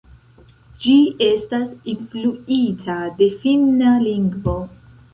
Ĝi estas influita de finna lingvo.